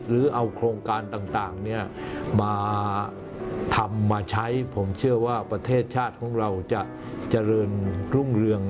หรือเอาโครงการต่างมาทำมาใช้ผมเชื่อว่าประเทศชาติของเราจะเจริญรุ่งเรือง